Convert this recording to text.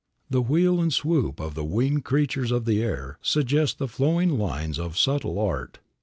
The wheel and swoop of the winged creatures of the air suggest the flowing lines of subtle art.